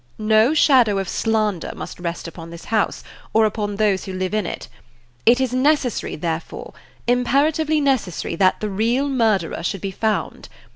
No shadow of slander must rest upon this house, or upon those who live in it. It is necessary, therefore, imperatively necessary, that the real murderer should be found.